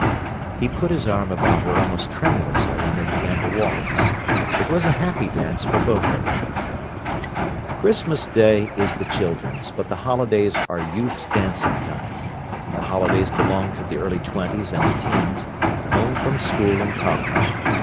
He put his arm about her almost tremulously, and they began to waltz. It was a happy dance for both of them. Christmas day is the children's, but the holidays are youth's dancing time. The holidays belong to the early twenties and the 'teens, home from school and college.